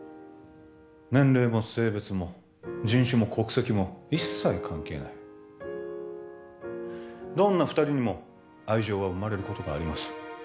年齢も性別も人種も国籍も一切関係ないどんな二人にも愛情は生まれることがあります